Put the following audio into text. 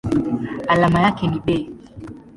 Alama yake ni Be.